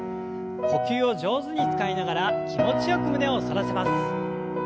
呼吸を上手に使いながら気持ちよく胸を反らせます。